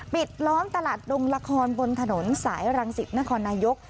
ล้อมตลาดดงละครบนถนนสายรังสิตนครนายก